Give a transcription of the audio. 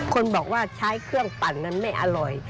คนบอกว่าใช้เครื่องปั่นนั้นไม่อร่อย